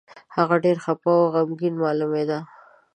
هغه ډېر خپه او غمګين مالومېده.